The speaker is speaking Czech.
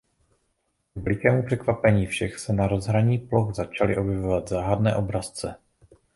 K velikému překvapení všech se na rozhraní ploch začaly objevovat záhadné obrazce.